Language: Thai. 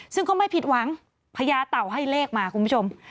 ซึ่งก็ไม่ผิดหวังพญาเต่าให้เลขมาคุณผู้ชม